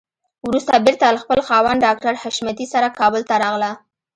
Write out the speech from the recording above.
وروسته بېرته له خپل خاوند ډاکټر حشمتي سره کابل ته راغله.